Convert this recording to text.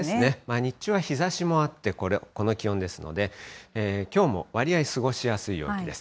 日中は日ざしもあって、これ、この気温ですので、きょうもわりあい過ごしやすい陽気です。